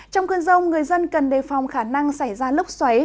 trong cơn rông người dân cần đề phòng khả năng xảy ra lốc xoáy